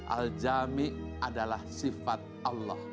al jami adalah sifat allah